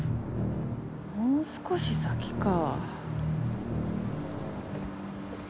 もう少し先か。